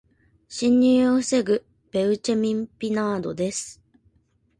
侵入を防ぐベウチェミン・ピナードです。